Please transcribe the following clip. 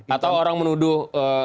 atau orang menuduh